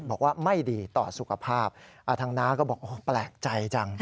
บอกว่าไม่ดีต่อสุขภาพทางน้าก็บอกแปลกใจจัง